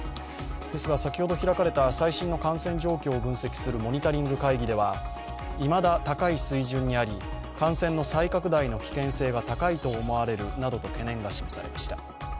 ですが、先ほど開かれた最新の感染状況を分析するモニタリング会議ではいまだ高い水準にあり、感染の再拡大の危険性が高いと思われるなどと懸念が示されました。